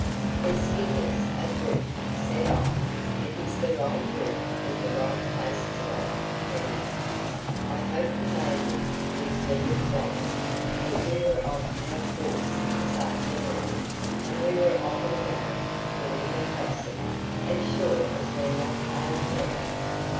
"The skipper's a brute," said I, "but he's the right brute in the right place to night, Ready!" "I hope he may be," was the reply. "But we were off our course this afternoon; and we were off it again during the concert, as sure as we're not on it now."